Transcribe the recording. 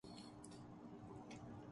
کس نے کہا کہ اس کو غزل میں سجا لا